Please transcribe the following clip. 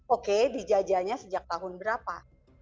oke dijajahnya sejak tahun berapa